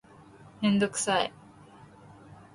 めんどくさい